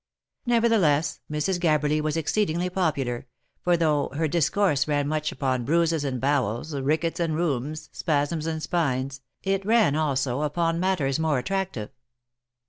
Nevertheless, Mrs. Gabberly was exceedingly popular, for though her discourse ran much upon bruises and bowels, rickets and rheums, spasms and spines, it ran also upon matters more attractive.